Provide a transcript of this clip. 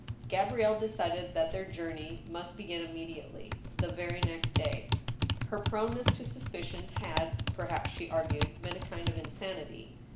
Gabrielle decided that their journey must begin immediately— the very next day. Her proneness to suspicion had, perhaps, she ai^gued, been a kind of insanity.